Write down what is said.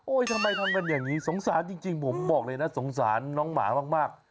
ทำไมทำกันอย่างนี้สงสารจริงผมบอกเลยนะสงสารน้องหมามาก